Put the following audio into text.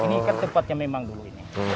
ini kan tempatnya memang dulu ini